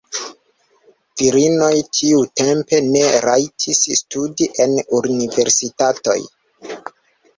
Virinoj tiutempe ne rajtis studi en universitatoj.